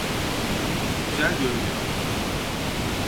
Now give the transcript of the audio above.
Güzel görünüyor.